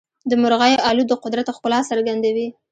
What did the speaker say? د مرغیو الوت د قدرت ښکلا څرګندوي.